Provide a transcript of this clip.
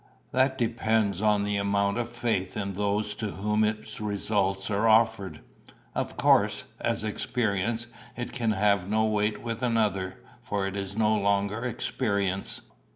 "That depends on the amount of faith in those to whom its results are offered. Of course, as experience, it can have no weight with another; for it is no longer experience.